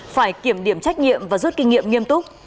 phải kiểm điểm trách nhiệm và rút kinh nghiệm nghiêm túc